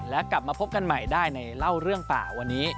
และกลับมาพบกันใหม่ได้ในเล่าเรื่องป่าวันนี้